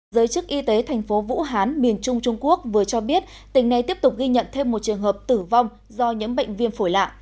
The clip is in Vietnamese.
giới chức y tế thành phố vũ hán miền trung trung quốc vừa cho biết tỉnh này tiếp tục ghi nhận thêm một trường hợp tử vong do những bệnh viêm phổi lạ